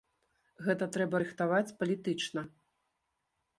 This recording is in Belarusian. Гэта трэба рыхтаваць палітычна.